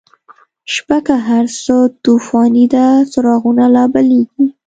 شپه که هر څه توفانی ده، چراغونه لا بلیږی